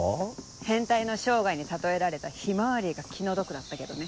変態の生涯に例えられたヒマワリが気の毒だったけどね。